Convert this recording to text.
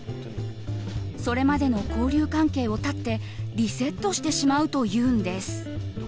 それまでの交流関係を絶ってリセットしてしまうというんです。